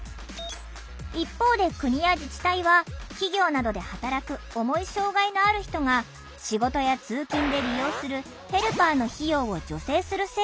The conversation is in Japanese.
一方で国や自治体は企業などで働く重い障害のある人が仕事や通勤で利用するヘルパーの費用を助成する制度を２年前から始めた。